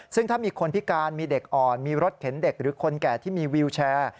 ซึ่งถ้ามีคนพิการมีเด็กอ่อนมีรถเข็นเด็กหรือคนแก่ที่มีวิวแชร์